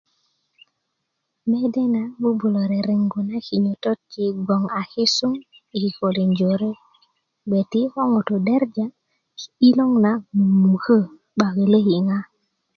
mede na bubulö rereŋgu na kinyotot yi gboŋ a kisum yi kikolin jore ko ŋutu' gbeti ko ŋutu' a derja 'diloŋ na mumukö 'ba lölöki ŋa